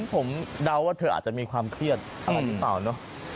ผมเดาว่าเธออาจจะมีความเครียดอะไรหรือเปล่าเนอะ